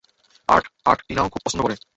Art, art টিনাও খুব পছন্দ করে।